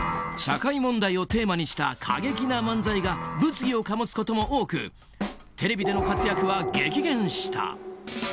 社会問題をテーマにした過激な漫才が物議を醸すことも多くテレビでの活躍は激減した。